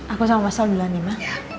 aku sama mas sal dulu anima